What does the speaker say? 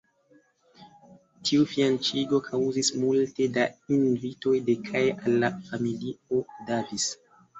Tiu fianĉiĝo kaŭzis multe da invitoj de kaj al la familio Davis.